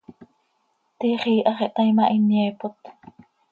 Tiix iihax ihtaai ma, hin yaaipot.